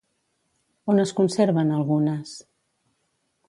On es conserven, algunes?